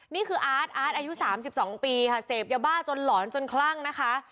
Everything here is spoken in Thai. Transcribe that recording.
นี่คืออาร์ตอาร์ตอายุ๓๒ปีค่ะเสพยาบ้าจนหลอนจนคลั่งนะคะ